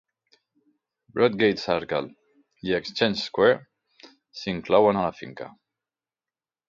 Broadgate Circle i Exchange Square s'inclouen en la finca.